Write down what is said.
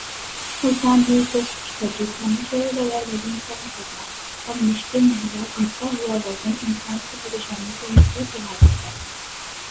Multan news desk خشخبری کھانا چھوڑے بغیر وزن کم کرنا اب مشکل نہلا بڑھتا ہوا وزن انسان کی پریشانیوں کو مذید بڑھاتا ہے